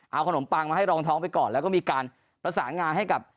เอาขนมปังมาให้รองท้องไปก่อนแล้วก็มีการประสานงานให้กับ